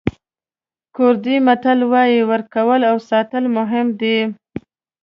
کوردي متل وایي ورکول او ساتل مهم دي.